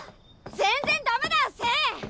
全然ダメだ政！